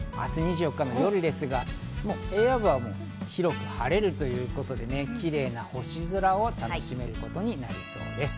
明日２４日夜ですが、土曜日は夜、広く晴れるということでキレイな星空を楽しめることとなりそうです。